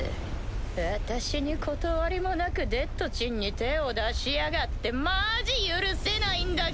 私に断りもなくデッドちんに手を出しやがってマジ許せないんだけど！